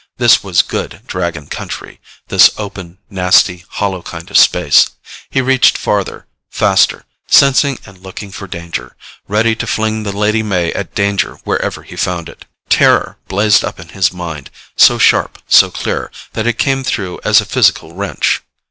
This was good Dragon country, this open, nasty, hollow kind of space. He reached farther, faster, sensing and looking for danger, ready to fling the Lady May at danger wherever he found it. Terror blazed up in his mind, so sharp, so clear, that it came through as a physical wrench.